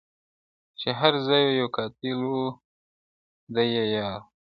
چي هر ځای به یو قاتل وو دی یې یار وو!!